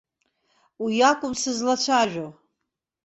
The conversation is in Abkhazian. Уи акәым сызлацәажәо.